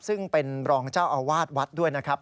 ซึ่งเป็นรองเจ้าอาวาสวัดด้วยนะครับ